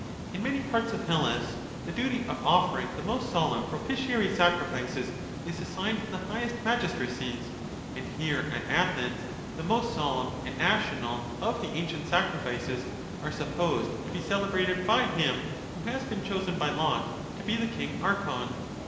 In many parts of Hellas, the duty of offering the most solemn propitiatory sacrifices is assigned to the highest magistracies, and here, at Athens, the most solemn and national of the ancient sacrifices are supposed to be celebrated by him who has been chosen by lot to be the King Archon.